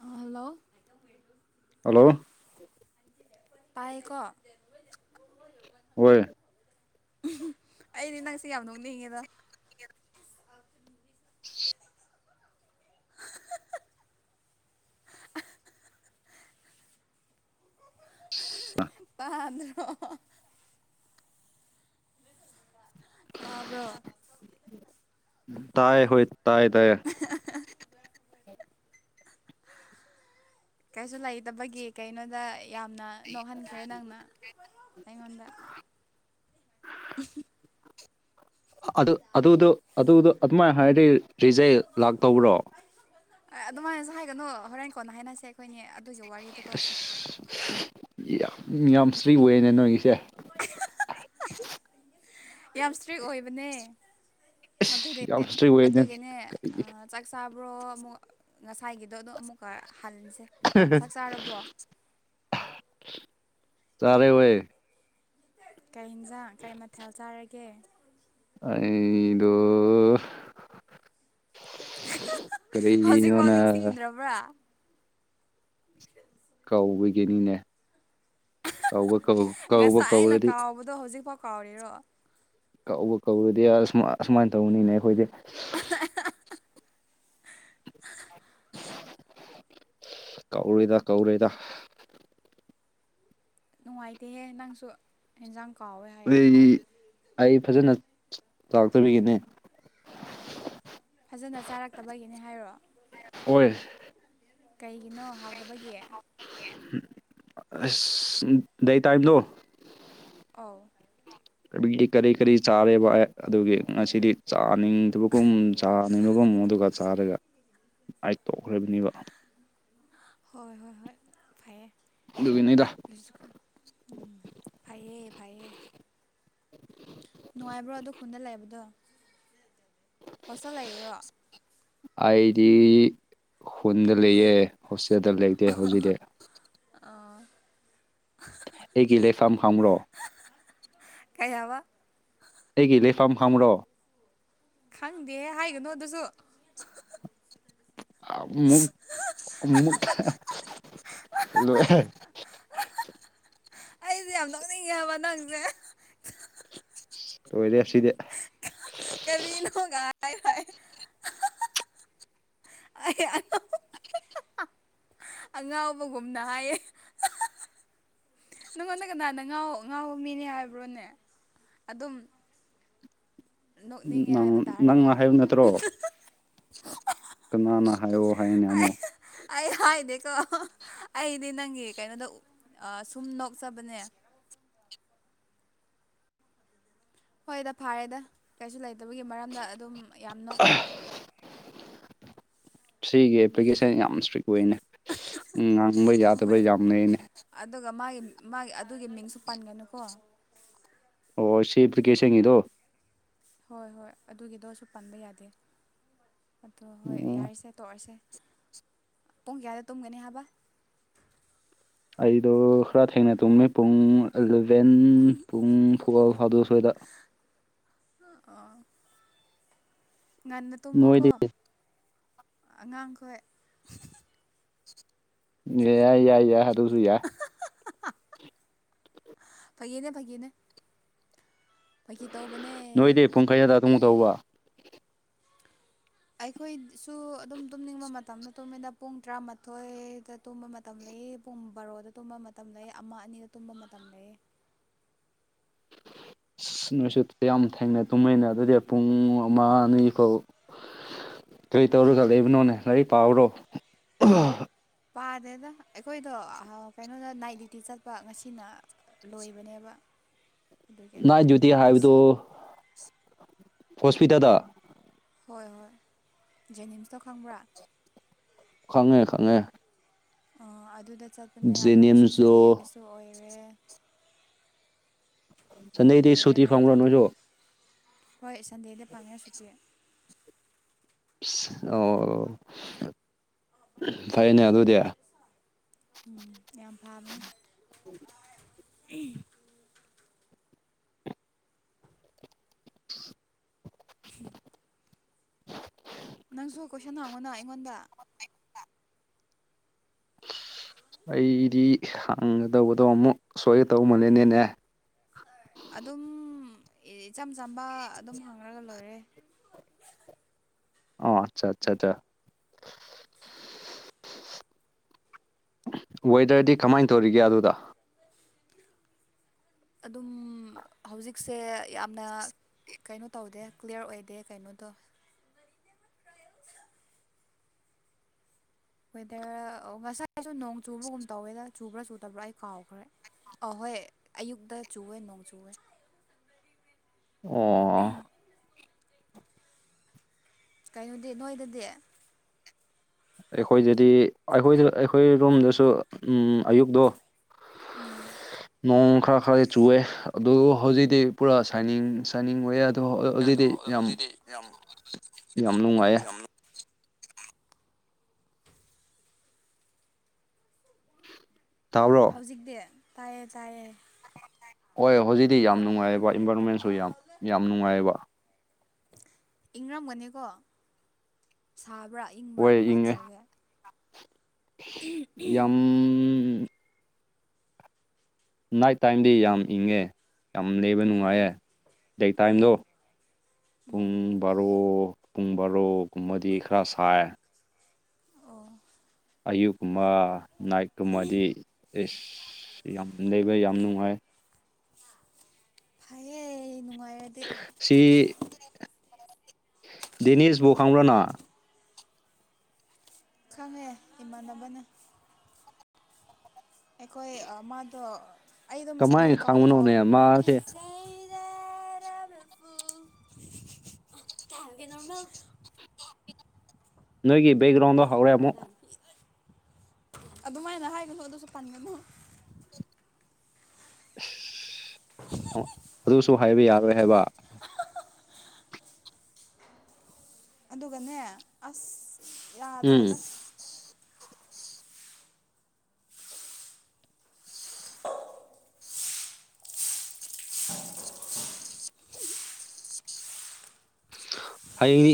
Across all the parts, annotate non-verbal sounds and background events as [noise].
hello hello ꯄꯀ ꯍꯣꯏ ꯑꯩꯗꯤ ꯅꯪꯁꯦ ꯌꯥꯝ ꯅꯣꯛꯅꯤꯡꯉꯦꯗ ꯇꯥꯗ꯭ꯔꯣ ꯇꯥꯕ꯭ꯔꯣ ꯇꯥꯏ ꯍꯣꯏ ꯇꯥꯏꯌꯦ ꯇꯌꯦ [inaudible] ꯀꯩꯁꯨ ꯂꯩꯇꯕꯒꯤ ꯀꯩꯅꯣꯗ ꯌꯥꯝꯅ ꯅꯣꯛꯍꯟꯈ꯭ꯔꯦ ꯅꯪꯅ ꯑꯩꯉꯣꯟꯗ ꯑ ꯑ ꯑꯗꯨ ꯑꯗꯨꯗ ꯃꯥ ꯍꯥꯏꯗꯤ ꯑꯗꯨꯃꯥꯏꯅꯁꯨ ꯍꯥꯏꯒꯅꯨ ꯍꯣꯔꯦꯟ ꯀꯣꯟꯅ ꯍꯥꯏꯅꯁꯦ ꯑꯩꯈꯣꯏꯅꯦ ꯑꯗꯨꯒꯤ ꯋꯥꯔꯤꯗꯣ ꯇꯣꯛꯁꯦ ꯑꯁ ꯌꯥꯝ ꯌꯥꯝ ꯁ꯭ꯔꯤ ꯑꯣꯏꯅꯦ ꯅꯣꯏꯒꯤꯁꯦ ꯌꯥꯝ ꯏꯁꯇ꯭ꯔꯤꯛ ꯑꯣꯏꯕꯅꯦ ꯑꯗꯨꯗꯤ ꯑꯁ ꯌꯥꯝ ꯏꯁꯇ꯭ꯔꯤ ꯑꯣꯏꯅꯦ ꯑꯗꯨꯒꯤꯅꯦ ꯆꯥꯛ ꯆꯥꯕ꯭ꯔꯣ ꯑꯃꯨꯛ ꯉꯁꯥꯏꯒꯤꯗꯣ ꯑꯗꯣ ꯑꯃꯨꯛꯀ ꯍꯟꯁꯦ ꯇꯥꯔꯦ ꯑꯣꯏꯋꯦ ꯀꯩ ꯍꯤꯟꯖꯥꯛ ꯀꯩ ꯃꯊꯦꯜ ꯆꯥꯔꯒꯦ ꯑꯩꯗꯣ ꯀꯔꯤꯔꯤꯅ ꯈꯕ꯭ꯔꯥ ꯀꯥꯎꯕꯒꯤꯅꯤꯅꯦ ꯀꯥꯎꯕ ꯉꯁꯥꯏ ꯑꯩꯅ ꯀꯥꯎꯕꯗꯣ ꯍꯧꯖꯤꯛꯐꯥꯎ ꯀꯥꯎꯔꯤꯔꯣ ꯀ ꯀꯧꯔꯨꯗꯤ ꯑꯁꯨꯃꯥꯏꯅ ꯇꯧꯕꯅꯤꯅꯦ ꯑꯩꯈꯣꯏꯗꯤ [inaudible] ꯀꯧꯔꯣꯏꯗ ꯀꯧꯔꯣꯏꯗ ꯅꯨꯡꯉꯥꯏꯇꯦꯍꯦ ꯅꯪꯁꯨ ꯏꯟꯖꯥꯡ ꯀꯥꯎꯋꯦ ꯍꯥꯏꯌꯦ ꯑꯩ ꯑꯩ ꯐꯖꯅ ꯆꯥꯎꯔꯛꯇꯕꯤꯒꯤꯅꯦ ꯐꯖꯅ ꯆꯥꯔꯛꯇꯕꯒꯤꯅꯦ ꯍꯥꯏꯔꯛꯑꯣ ꯍꯣꯏ ꯀꯩꯒꯤꯅꯣ ꯍꯥꯎꯗꯕꯒꯤ ꯑꯁ ꯗꯏ ꯇꯥꯏꯝꯗꯣ ꯑꯥꯎ ꯒꯤ ꯀꯔꯤ ꯀꯔꯤ ꯆꯥꯔꯦꯕ ꯑꯗꯨꯒꯤ ꯉꯁꯤꯗꯤ ꯆꯥꯅꯤꯡꯗꯕꯒꯨꯝ ꯆꯥꯅꯤꯡꯕꯒꯨꯝ ꯑꯗꯨꯒ ꯆꯥꯔꯒ ꯑꯥꯏ ꯇꯣꯛꯈ꯭ꯔꯕꯅꯦꯕ ꯍꯣꯏ ꯍꯣꯏ ꯍꯣꯏ ꯐꯩꯌꯦ ꯑꯗꯨꯒꯤ ꯅꯣꯏꯗ ꯎꯝ ꯐꯩꯌꯦ ꯐꯩꯌꯦ ꯅꯨꯡꯉꯥꯏꯕ꯭ꯔꯣ ꯑꯗꯨ ꯈꯨꯟꯗ ꯂꯩꯕꯗꯣ ꯍꯣꯁꯇꯦꯜ ꯂꯩꯔꯣ ꯑꯩꯗꯤ ꯈꯨꯟꯗ ꯂꯩꯌꯦ ꯍꯣꯁꯇꯦꯜꯗ ꯂꯩꯇꯦ ꯍꯧꯖꯤꯛꯇꯤ ꯑꯥ ꯑꯩꯒꯤ ꯂꯩꯐꯝ ꯈꯪ꯭ꯔꯣ ꯀꯩ ꯍꯥꯏꯕ ꯑꯩꯒꯤꯂꯤ ꯂꯩꯐꯥꯝ ꯍꯪꯕ꯭ꯔꯣ ꯈꯪꯗꯦ ꯍꯥꯏꯒꯅꯣ ꯑꯗꯨꯁꯨ [unintelligible] ꯑꯗꯨꯅꯤ ꯌꯥꯝ ꯅꯣꯛꯅꯤꯡꯉꯦ ꯍꯥꯏꯕ ꯅꯪꯁꯦ ꯑꯣꯏꯔꯦ ꯁꯤꯗꯤ ꯀꯔꯤꯅꯣꯒꯥꯏ ꯍꯥꯏ [unintelligible] ꯑ [unintelligible] ꯑꯉꯥꯎꯕꯒꯨꯝꯅ ꯍꯥꯏꯌꯦ ꯅꯪꯉꯣꯟꯗ ꯀꯅꯥꯅ ꯉꯥꯎ ꯉꯥꯎꯕ ꯃꯤꯅꯦ ꯍꯥꯏꯕ꯭ꯔꯣꯅꯦ ꯑꯗꯨꯝ ꯅꯣꯛꯅꯤꯡꯉꯦ ꯅꯪ ꯍꯥꯏꯕ ꯇꯥꯔꯦꯗ ꯅꯪꯅ ꯍꯥꯏꯌꯨ ꯅꯠꯇ꯭ꯔꯣ ꯀꯅꯥꯅ ꯍꯥꯏꯌꯣ ꯍꯥꯏꯅꯦ ꯑ ꯑꯃꯨꯛ [unintelligible] ꯑꯩ ꯍꯥꯏꯗꯦꯀꯣ ꯑꯩꯗꯤ ꯅꯪꯒꯤ ꯀꯩꯅꯣꯗ ꯁꯨꯝ ꯅꯣꯛꯆꯕꯅꯦ ꯍꯣꯏꯗ ꯐꯥꯔꯦꯗ ꯀꯩꯁꯨ ꯂꯩꯇꯕꯒꯤ ꯃꯔꯝꯗ ꯑꯗꯨꯝ ꯌꯥꯝ ꯅꯣꯛꯈ꯭ꯔꯦ ꯁꯤꯒꯤ ꯑꯦꯄ꯭ꯂꯤꯀꯦꯁꯟ ꯌꯥꯝ ꯏꯁꯇ꯭ꯔꯤꯛ ꯑꯣꯏꯅꯦ ꯉꯥꯡꯕ ꯌꯥꯗꯕ ꯍꯣꯏ ꯌꯥꯝ ꯂꯩꯅꯦ ꯑꯗꯨꯒ ꯃꯥꯒꯤ ꯃꯥꯒꯤ ꯑꯗꯨꯒꯤ ꯃꯤꯡꯁꯨ ꯄꯟꯒꯅꯨꯀꯣ ꯑꯣ ꯁꯤ ꯑꯄ꯭ꯂꯤꯀꯦꯁꯉꯤꯗꯣ ꯍꯣꯏ ꯍꯣꯏ ꯑꯗꯨꯒꯤꯗꯣꯁꯨ ꯄꯟꯕ ꯌꯥꯗꯦ ꯑꯗꯣ ꯍꯣꯏ ꯎꯝ ꯌꯥꯔꯤꯁꯦ ꯇꯣꯛꯑꯁꯦ ꯄꯨꯡ ꯀꯌꯥꯗ ꯇꯨꯝꯒꯅꯤ ꯍꯥꯏꯕ ꯑꯩꯗꯣ ꯈꯔ ꯊꯦꯡꯅ ꯇꯨꯝꯃꯤ ꯄꯨꯡ ꯚꯦꯟ ꯄꯨꯡ ꯐꯕꯜ ꯐꯥꯗꯣꯛ ꯁ꯭ꯋꯥꯗ ꯑꯥ ꯉꯟꯅ ꯇꯨꯝꯃꯣꯀꯣ ꯅꯣꯏꯗꯤ ꯑꯉꯥꯡꯈꯣꯏ ꯑꯦ ꯌꯥꯏ ꯌꯥꯏ ꯌꯥꯏ ꯍꯥꯏ ꯑꯗꯨꯁꯨ ꯌꯥ ꯐꯒꯤꯅꯦ ꯐꯒꯤꯅꯦ ꯐꯒꯤ ꯇꯧꯕꯅꯦ ꯅꯣꯏꯗꯤ ꯄꯨꯡ ꯀꯩꯌꯥꯗ ꯑꯗꯨꯝ ꯇꯧꯕ ꯑꯩꯈꯣꯏꯁꯨ ꯑꯗꯨꯝ ꯇꯨꯝꯅꯤꯡꯕ ꯃꯇꯝꯗ ꯇꯨꯝꯃꯤꯗ ꯄꯨꯡ ꯇꯔꯥꯃꯥꯊꯣꯏꯗ ꯇꯨꯝꯕ ꯃꯇꯝ ꯂꯩꯌꯦ ꯄꯨꯡ ꯕꯥꯔꯣꯗ ꯇꯨꯝꯕ ꯃꯇꯝ ꯂꯩ ꯑꯃ ꯑꯅꯤꯗ ꯇꯨꯝꯕ ꯃꯇꯝ ꯂꯩꯌꯦ [inaudible] ꯑꯁ ꯅꯣꯏꯁꯨ ꯌꯥꯝ ꯊꯦꯡꯅꯩ ꯇꯨꯝꯍꯩꯅ ꯑꯗꯨꯗꯤ ꯄꯨꯡ ꯑꯃ ꯑꯅꯤ ꯐꯥꯎ ꯀꯔꯤ ꯇꯧꯔꯨ ꯂꯩꯕꯅꯣꯕꯅꯣꯅꯦ ꯂꯥꯏꯔꯤꯛ ꯄꯥꯕꯔꯣ ꯄꯥꯗꯦꯗ ꯑꯩꯈꯣꯏꯗꯣ ꯀꯩꯅꯣꯗ ꯅꯥꯏꯠ ꯗ꯭ꯌꯨꯇꯤ ꯆꯠꯄ ꯉꯁꯤꯅ ꯂꯣꯏꯕꯅꯦꯕ ꯑꯗꯨꯒꯤ ꯅꯥꯏꯠ ꯗ꯭ꯌꯨꯇꯤ ꯍꯥꯏꯕꯗꯨ ꯉꯁꯤ ꯍꯣꯁꯄꯤꯇꯥꯜꯗ ꯍꯣꯏ ꯍꯣꯏ ꯖꯦꯅꯤꯝꯁꯇꯣ ꯈꯪꯕ꯭ꯔꯥ ꯈꯪꯉꯦ ꯈꯪꯉꯦ ꯑ ꯑꯗꯨꯗ ꯆꯠ ꯖꯦꯅꯤꯌꯝꯁꯨ ꯂꯣꯏꯔꯦ ꯆꯟꯗꯦꯗꯤ ꯁꯨꯇꯤ ꯅꯥꯏꯠ ꯐꯪꯈ꯭ꯔꯣ ꯗ꯭ꯌꯨꯇꯤ ꯅꯣꯏꯁꯨ ꯍꯣꯏ ꯁꯟꯗꯦꯗ ꯐꯪꯉꯦ ꯁꯨꯇꯤ ꯑ ꯐꯩꯅꯦ ꯑꯗꯨꯗꯤ ꯎꯝ ꯌꯥꯝ ꯐꯥꯕꯅꯦ ꯍꯝ ꯅꯪꯁꯨ ꯀꯣꯏꯁꯟ ꯍꯥꯡꯉꯨꯅ ꯑꯩꯉꯣꯟꯗ ꯑꯩꯗꯤ ꯍꯥꯡꯒꯗꯧꯕꯗꯣ ꯑꯃꯨꯛ ꯁꯣꯏꯒ ꯇꯧꯃꯜꯂꯦꯅꯦꯅꯦ ꯑꯗꯨꯝ ꯏꯆꯝ ꯆꯝꯕ ꯑꯗꯨꯝ ꯍꯥꯡꯉꯒ ꯂꯣꯏꯔꯦ ꯑꯣ ꯑꯠꯆꯥ ꯑꯆꯥꯆꯥ ꯑꯆꯥ ꯋꯦꯗꯔꯗꯤ ꯀꯃꯥꯏꯅ ꯇꯧꯔꯤꯒꯦ ꯑꯗꯨꯗ ꯑꯗꯨꯝ ꯍꯧꯖꯤꯛꯁꯦ ꯌꯥꯝꯅ ꯀꯩꯅꯣ ꯇꯧꯗꯦ ꯀ꯭ꯂꯤꯌꯥꯔ ꯑꯣꯏꯗꯦ ꯀꯩꯅꯣꯗꯣ ꯋꯦꯗꯔ ꯉꯁꯥꯏꯁꯨ ꯅꯣꯡ ꯆꯨꯕꯒꯨꯝ ꯇꯧꯋꯦꯗ ꯆꯨꯕ꯭ꯔꯥ ꯆꯨꯗꯕ꯭ꯔꯥ ꯑꯩ ꯀꯥꯎꯈ꯭ꯔꯦ ꯑꯍꯣꯏ ꯑꯌꯨꯛꯇ ꯆꯨꯋꯦ ꯅꯣꯡ ꯆꯨꯋꯦ ꯎꯝ ꯎꯝ ꯀꯩꯅꯣꯗꯤ ꯅꯣꯏꯗꯗꯤ ꯑꯩꯈꯣꯏꯗꯗꯤ ꯑꯩꯈꯣꯏꯗ ꯑꯩꯈꯣꯏ ꯔꯨꯝꯗꯁꯨ ꯑꯌꯨꯛꯇꯣ ꯅꯣꯡ ꯈꯔ ꯈꯔ ꯆꯨꯋꯦ ꯑꯗꯨ ꯍꯧꯖꯤꯛꯇꯤ ꯄꯨꯔꯥ ꯁꯥꯏꯅꯤꯡ ꯁꯥꯏꯅꯤꯡ ꯑꯣꯏ ꯌꯥꯦ ꯑ ꯑꯗꯣ ꯍꯧꯖꯤꯛꯗꯤ ꯌꯥꯝ ꯍꯧꯖꯤꯛꯇꯤ ꯌꯥꯝ ꯌꯥꯝ ꯅꯨꯡꯉꯥꯏꯌꯦ ꯌꯥꯝ ꯇꯥꯔꯣ ꯍꯧꯖꯤꯛꯇꯛꯇ ꯇꯥꯏꯌꯦ ꯇꯥꯏꯌꯦ ꯍꯣꯏ ꯍꯧꯖꯤꯛꯇꯤ ꯌꯥꯝ ꯅꯨꯡꯉꯥꯏꯑꯕ ꯏꯟꯚꯥꯏꯔꯣꯟꯃꯦꯟꯁꯨ ꯌꯥꯝ ꯌꯥꯝ ꯅꯨꯡꯉꯥꯏꯑꯕ ꯏꯪꯔꯝꯒꯅꯤꯀꯣ ꯁꯥꯕ꯭ꯔꯥ ꯏꯪꯕ꯭ꯔꯥ ꯍꯣꯏ ꯀꯃꯥꯏꯅ ꯏꯪꯉꯦ ꯇꯧꯔꯒꯦ ꯌꯥꯝ ꯅꯥꯏꯠ ꯇꯥꯏꯝꯗꯤ ꯌꯥꯝ ꯏꯪꯉꯦ ꯌꯥꯝ ꯂꯩꯕ ꯑꯣ ꯅꯨꯡꯉꯥꯏꯌꯦꯦ ꯗꯩ ꯇꯥꯏꯝꯗꯣ ꯄꯨꯡ ꯕꯥꯔꯣ ꯄꯨꯡ ꯕꯥꯔꯣꯒꯨꯝꯕꯗꯤ ꯈꯔ ꯁꯥꯏ ꯑꯣ ꯑꯌꯨꯛꯀꯨꯝꯕ ꯅꯥꯏꯠꯀꯨꯝꯕꯗꯤ ꯑꯦꯁ ꯌꯥꯝ ꯂꯩꯕ ꯌꯥꯝ ꯅꯨꯡꯉꯥꯏ ꯐꯩꯌꯦ ꯅꯨꯡꯉꯥꯏꯔ ꯁꯤꯔꯤ ꯗꯦꯅꯤꯁ ꯣꯈꯪꯕ꯭ꯔꯅꯥ ꯈꯪꯉꯦ ꯏꯃꯥꯟꯅꯕꯅ ꯑꯩꯈꯣꯏ ꯃꯥꯗꯣ ꯑꯩꯗꯣ ꯀꯃꯥꯏꯅ ꯃꯁꯛꯕꯨꯗꯤ ꯀꯥꯎꯗꯤ ꯀꯥꯎ ꯈꯪꯕꯅꯣꯅꯦ ꯃꯥꯁꯦ ꯔꯄ ꯊꯦꯡꯃ ꯅꯣꯏꯒꯤꯦꯛꯒ꯭ꯔꯥꯎꯟꯗ ꯑꯗꯨꯃꯥꯏꯅ ꯍꯥꯏꯒꯅꯨ ꯑꯗꯨꯁꯨ ꯄꯟꯒꯅꯨ ꯑ ꯑꯗꯨꯁꯨ ꯍꯥꯏꯕ ꯌꯥꯔꯣꯏ ꯍꯥꯏꯕ ꯑꯗꯨꯒꯅꯦ ꯑꯁ ꯎꯝ ꯌꯥꯗ꯭ꯔꯦꯗ ꯍꯌꯦꯡ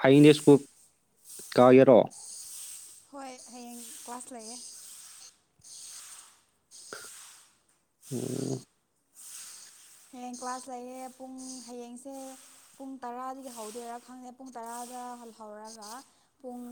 ꯍꯌꯦꯡꯅꯦ ꯁ꯭ꯀꯨꯜ ꯀꯥꯒꯦꯔꯣ ꯍꯣꯏ ꯍꯌꯦꯡ ꯀ꯭ꯂꯥꯁ ꯂꯩꯌꯦ ꯎꯝ ꯍꯌꯦꯡ ꯀ꯭ꯂꯥꯁ ꯂꯩꯌꯦ ꯄꯨꯡ ꯍꯌꯦꯡꯁꯦ ꯄꯨꯡ ꯇꯔꯥꯗꯒꯤ ꯍꯧꯗꯣꯏꯔꯥ ꯈꯪꯗꯦ ꯄꯨꯡ ꯇꯔꯥꯗ ꯍꯜꯍꯧꯔꯒ ꯄꯨꯡ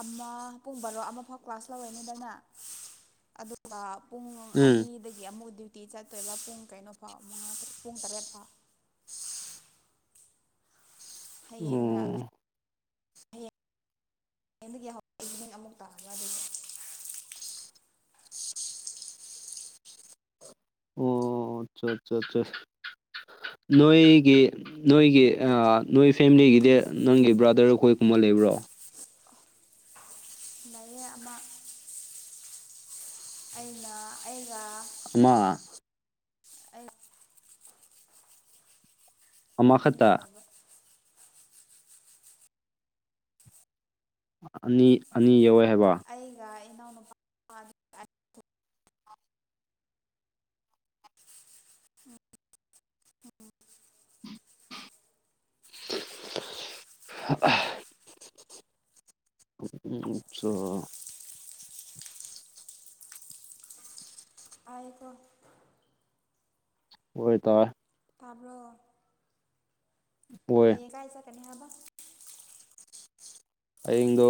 ꯑꯃ ꯄꯨꯡ ꯕꯥꯔꯣ ꯑꯃꯐꯥꯎ ꯀ꯭ꯂꯥꯁ ꯂꯧꯔꯦꯅꯤꯗꯅ ꯑꯗꯨ ꯄ ꯄꯨꯡ ꯑꯅꯤꯗꯒꯤ ꯑꯃꯨꯛ ꯗ꯭ꯌꯨꯇꯤ ꯆꯠ ꯇꯣꯏꯂꯥ ꯄꯨꯡ ꯀꯩꯅꯣ ꯐꯥꯎ ꯃꯉꯥ ꯄꯨꯡ ꯇꯔꯦꯠ ꯐꯥꯎ ꯍꯌꯦꯡꯅ ꯎꯝ ꯑꯣ ꯍꯦꯟꯗꯒꯤ ꯍꯧ ꯑꯤꯕꯤꯅꯤꯡ ꯑꯃꯨꯛ ꯇꯥꯒꯔꯗꯤ ꯑꯣ ꯆꯣ ꯆꯣ ꯆꯣ ꯅꯣꯏꯒꯤ ꯅꯣꯏꯒꯤ ꯅꯣꯏ ꯐꯦꯃꯤꯂꯤꯒꯤꯗꯤ ꯅꯪꯒꯤ ꯕ꯭ꯔꯥꯗꯔ ꯈꯣꯏ ꯀꯨꯝꯕ ꯂꯩꯕ꯭ꯔꯣ ꯂꯩꯌꯦ ꯑꯃ ꯑꯩꯅ ꯑꯩꯒ ꯑꯃ ꯑꯩ ꯑꯅꯤ ꯑꯃꯈꯛꯇ ꯑꯣꯏꯕ ꯑꯅꯤ ꯑꯅꯤ ꯌꯧꯋꯦ ꯍꯥꯏꯕ ꯑꯩꯒ ꯏꯅꯥꯎꯅꯨꯄꯥ [unintelligible] ꯍꯑ [unintelligible] ꯆꯥ ꯑꯥꯏꯌꯦꯀꯣ ꯑꯣꯏꯇꯣꯋꯦ ꯇꯥꯕ꯭ꯔꯣ ꯍꯣꯏ ꯍꯌꯦꯡ ꯀꯥꯏ ꯆꯠꯀꯅꯤ ꯍꯥꯏꯕ ꯑꯩꯏꯪꯗꯣ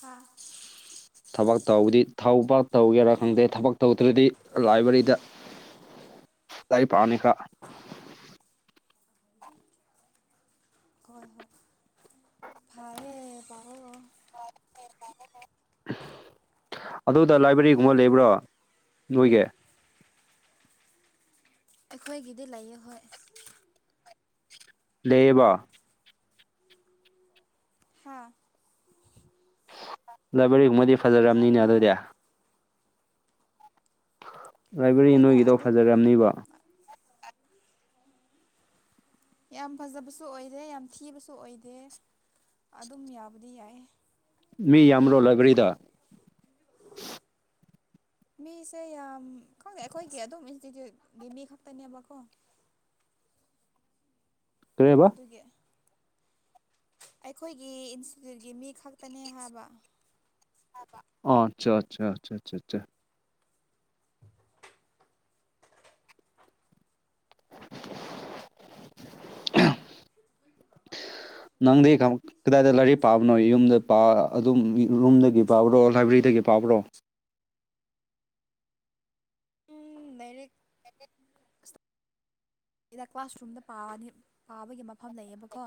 ꯍꯥꯥ ꯊꯕꯛ ꯇꯧꯕꯗꯤ ꯊꯧꯕ ꯇꯧꯒꯦꯔꯥ ꯈꯪꯗꯦ ꯊꯕꯛ ꯇꯧꯗ꯭ꯔꯗꯤ ꯂꯥꯏꯕ꯭ꯔꯦꯔꯤꯗ ꯂꯥꯏ ꯔꯤꯛ ꯄꯥꯕꯅꯤꯀꯥ ꯍꯣꯏ ꯍꯣꯏ ꯐꯔꯦ ꯄꯥꯍꯣꯍꯣ ꯑꯗꯨꯗ ꯂꯥꯏꯕ꯭ꯔꯦꯔꯤꯒꯨꯝꯕ ꯂꯩꯕ꯭ꯔꯣ ꯅꯣꯏꯒꯤ ꯑꯩꯈꯣꯏꯒꯤꯗꯤ ꯂꯩꯌꯦ ꯍꯣꯏ ꯂꯩꯌꯦꯕ ꯍꯥꯥ ꯂꯥꯏꯕ꯭ꯔꯦꯔꯤꯒꯨꯝꯕꯗꯤ ꯀꯔꯤ ꯐꯖꯔꯕꯅꯤꯅꯦ ꯍꯥꯏꯕꯅꯣ ꯑꯗꯨꯗꯤ ꯂꯥꯏꯕ꯭ꯔꯦꯔꯤ ꯍꯣꯏꯗ ꯅꯣꯏꯒꯤꯗꯣ ꯑꯗꯨꯝ ꯎꯝ ꯐꯖꯔꯝꯅꯤꯕ ꯌꯥꯝ ꯐꯖꯕꯁꯨ ꯑꯣꯏꯗꯦ ꯌꯥꯝ ꯊꯤꯕꯁꯨ ꯑꯣꯏꯗꯦ ꯑꯗꯨꯝ ꯌꯥꯕꯨꯗꯤ ꯌꯥꯏꯌꯦ ꯃꯤ ꯌꯥꯝꯔꯣ ꯂꯥꯏꯕꯦꯔꯤꯗ ꯃꯤꯁꯦ ꯌꯥꯝ ꯈꯪꯗꯦ ꯑꯩꯈꯣꯏꯒꯤ ꯑꯗꯨꯝ ꯏꯟꯁꯇꯤꯇ꯭ꯌꯨꯠꯀꯤ ꯃꯤ ꯈꯛꯇꯅꯦꯕꯀꯣ ꯀꯔꯤꯕ ꯑꯗꯨꯒꯤ ꯑꯩꯈꯣꯏꯒꯤ ꯏꯟꯁꯇꯤꯇ꯭ꯌꯨꯠꯀꯤ ꯃꯤ ꯈꯛꯇꯅꯦ ꯍꯥꯏꯕ ꯍꯥꯏꯕ ꯑꯆꯥ ꯑꯆꯥ ꯑꯆꯥꯆꯥ [inaudible] ꯅꯪꯗꯤ ꯀꯝ ꯀꯗꯥꯏꯗ ꯂꯥꯏꯔꯤꯛ ꯄꯥꯕꯅꯣ ꯌꯨꯝꯗ ꯄ ꯑꯗꯨꯝ ꯔꯨꯝꯗꯒꯤ ꯄꯥꯕ꯭ꯔꯣ ꯂꯥꯏꯕ꯭ꯔꯦꯔꯤꯗꯒꯤ ꯄꯥꯕ꯭ꯔꯣ ꯎꯝ ꯅꯩꯏꯔꯦꯛ ꯏꯗ ꯀ꯭ꯂꯥꯁꯔꯨꯝꯗ ꯄꯥꯅꯤ ꯄꯥꯕꯒꯤ ꯃꯐꯝ ꯂꯩꯌꯦꯕꯀꯣ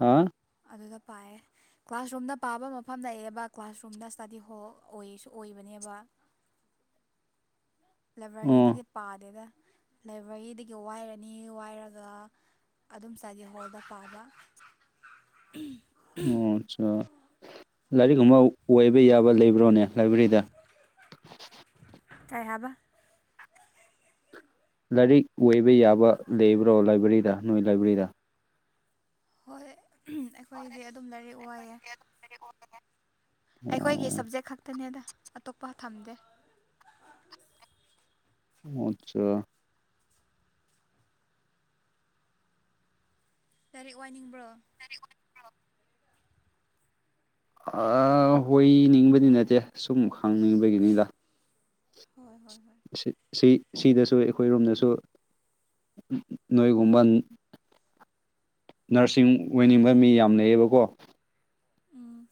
ꯍꯥꯥ ꯑꯗꯨꯗ ꯄꯥꯏꯌꯦ ꯀ꯭ꯂꯥꯁꯔꯨꯝꯗ ꯄꯥꯕ ꯃꯐꯝ ꯂꯩꯌꯦꯕ ꯀ꯭ꯂꯥꯁꯔꯨꯝꯗ ꯁ꯭ꯇꯗꯤ ꯍꯣꯜ ꯑꯣꯏꯁꯨ ꯑꯣꯏꯑꯦꯕ ꯑꯣ ꯂꯥꯏꯕ꯭ꯔꯦꯔꯤꯗꯗꯤ ꯄꯥꯗꯦꯗ ꯂꯥꯏꯕ꯭ꯔꯦꯔꯤꯗꯒꯤ ꯋꯥꯏꯔꯅꯤ ꯋꯥꯏꯔꯒ ꯑꯗꯨꯝ ꯏꯁꯇꯗꯤ ꯍꯣꯜꯗ ꯄꯥꯕ ꯎꯝ ꯑꯣ ꯑꯠꯆꯥ ꯂꯥꯏꯔꯤꯛ ꯑꯨꯝꯕ ꯋꯥꯏꯕ ꯌꯥꯕ ꯂꯩꯕ꯭ꯔꯣꯅꯦ ꯂꯥꯏꯕ꯭ꯔꯦꯔꯤꯗ ꯀꯥꯏ ꯍꯥꯏꯕ ꯂꯥꯏꯔꯤꯛ ꯑꯣꯏꯕ ꯌꯥꯕ ꯂꯩꯕ꯭ꯔꯣ ꯂꯥꯏꯕ꯭ꯔꯦꯔꯤꯗ ꯅꯣꯏ ꯂꯥꯏꯕ꯭ꯔꯦꯔꯤꯗ ꯍꯣꯏ ꯑꯩꯈꯣꯏꯗꯤ ꯑꯗꯨꯝ ꯂꯥꯏꯔꯤꯛ ꯋꯥꯏꯑ ꯑꯩꯈꯣꯏꯒꯤ ꯑꯣ ꯁꯕꯖꯦꯛ ꯈꯛꯇꯅꯦꯗ ꯑꯇꯣꯞꯄ ꯊꯝꯗꯦ ꯑꯠꯆꯥ ꯇꯔꯤꯦꯛ ꯋꯥꯏꯅꯤꯡꯕ꯭ꯔꯣ [inaudible] ꯍꯣꯏꯅꯤꯡꯕꯗꯤ ꯅꯠꯇꯦ ꯁꯨꯝ ꯍꯪꯅꯤꯡꯕꯒꯤꯅꯤꯗ ꯍꯣꯏ ꯍꯣꯏ ꯍꯣꯏ ꯁꯤ ꯁꯤꯗꯁꯨ ꯑꯩꯈꯣꯏꯔꯣꯝꯗꯁꯨ ꯅꯣꯏꯒꯨꯝꯕ ꯅꯔꯁꯤꯡ ꯑꯣꯏꯅꯤꯡꯕ ꯃꯤ ꯌꯥꯝ ꯂꯩꯌꯦꯕꯀꯣ ꯎꯝ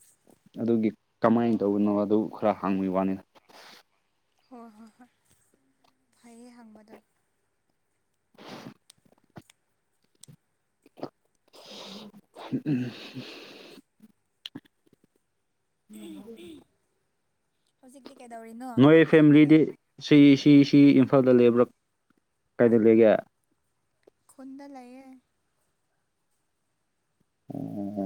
ꯑꯗꯨꯒꯤ ꯀꯃꯥꯏꯅ ꯇꯧꯕꯅꯣ ꯑꯗꯨ ꯈꯔ ꯍꯥꯡꯕꯒꯤ ꯋꯥꯅꯤꯗ ꯍꯣꯏ ꯍꯣꯏ ꯍꯣꯏ ꯐꯩꯌꯦ ꯍꯪꯕꯗꯪ ꯎꯝ ꯎꯝ ꯍꯧꯖꯤꯛꯇꯤ ꯀꯩꯗꯧꯔꯤꯅꯣ ꯅꯣꯏ ꯐꯦꯃꯤꯂꯤꯗꯤ ꯁꯤ ꯁꯤ ꯁꯤ ꯏꯝꯐꯥꯜꯗ ꯂꯩꯕ꯭ꯔꯥ ꯀꯥꯏꯗ ꯂꯩꯒꯦ ꯈꯨꯣꯟꯗ ꯂꯩꯌꯦ ꯎꯝꯝ